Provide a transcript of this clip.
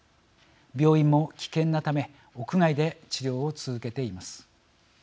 病院も危険なため屋外で治療を続けています。